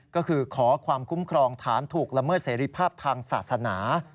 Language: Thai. ก็คือขอความคุ้มครองฐานถูกละเมิดเสรีภาพทางศาสนา